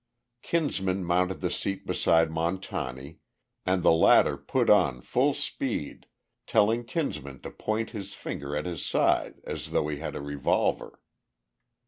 Kinsman mounted the seat beside Montani, and the latter put on full speed, telling Kinsman to point his finger at his side as though he had a revolver.